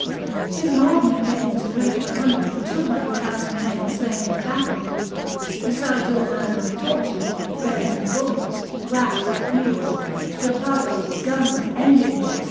'Tis an ordinary thing to read of a hundred and two hundred thousand men slain in a battle. Besides all manner of tortures, brazen bulls, racks, wheels, strappadoes, guns, engines, &c.